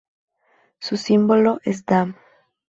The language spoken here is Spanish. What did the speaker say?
Su símbolo es dam.